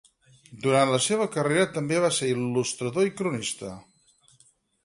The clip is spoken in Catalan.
Durant la seva carrera, també va ser il·lustrador i cronista.